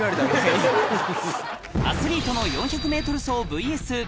アスリートの４００ｍ走ｖｓ１００